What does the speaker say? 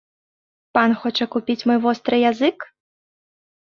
Пан хоча купіць мой востры язык?